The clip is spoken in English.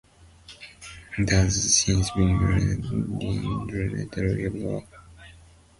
It has since been relocated to a residential neighborhood near Stone Road in Henrietta.